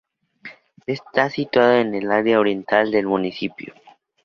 Está situado en el área oriental del municipio.